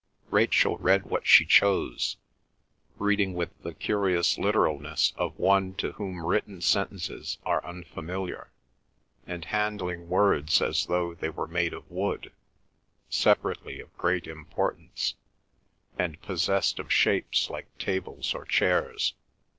Rachel read what she chose, reading with the curious literalness of one to whom written sentences are unfamiliar, and handling words as though they were made of wood, separately of great importance, and possessed of shapes like tables or chairs.